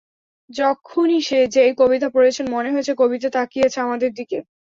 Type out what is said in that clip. যখনই যেই কবিতা পড়েছেন মনে হয়েছে, কবিতা তাকিয়ে আছে আমাদের দিকে।